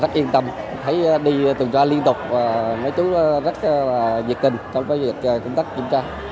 rất yên tâm thấy đi tuần tra liên tục mấy chú rất nhiệt tình trong cái việc công tác kiểm tra